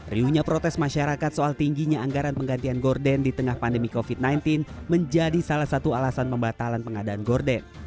riuhnya protes masyarakat soal tingginya anggaran penggantian gorden di tengah pandemi covid sembilan belas menjadi salah satu alasan pembatalan pengadaan gorden